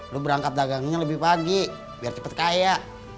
lu berangkat dagangnya lebih pagi biar cepet kaya